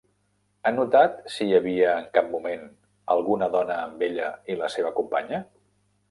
Ha notat si hi havia en cap moment alguna dona amb ella i la seva companya?